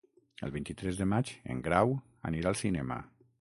El vint-i-tres de maig en Grau anirà al cinema.